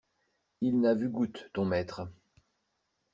Il n'a vu goutte, ton maître!